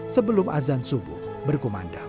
sebelum azan subuh berkumandang